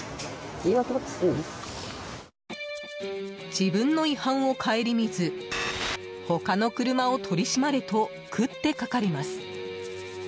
自分の違反を顧みず他の車を取り締まれと食ってかかります。